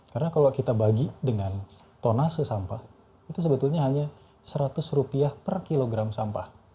kalau kita bagi dengan tonase sampah itu sebetulnya hanya seratus rupiah per kilogram sampah